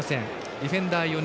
ディフェンダー４人。